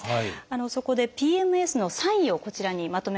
そこでＰＭＳのサインをこちらにまとめました。